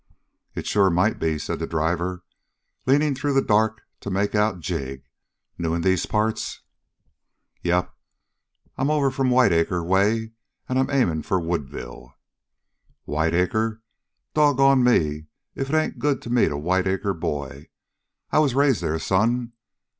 "It sure might be," said the driver, leaning through the dark to make out Jig. "New in these parts?" "Yep, I'm over from Whiteacre way, and I'm aiming for Woodville." "Whiteacre? Doggone me if it ain't good to meet a Whiteacre boy. I was raised there, son!